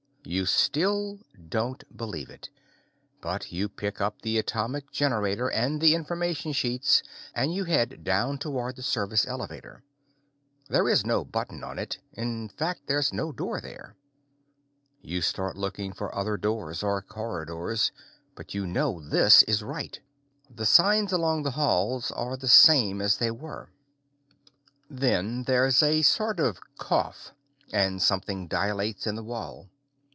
You still don't believe it, but you pick up the atomic generator and the information sheets, and you head down toward the service elevator. There is no button on it. In fact, there's no door there. You start looking for other doors or corridors, but you know this is right. The signs along the halls are the same as they were. Then there's a sort of cough and something dilates in the wall.